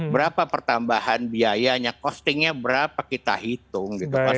berapa pertambahan biayanya costingnya berapa kita hitung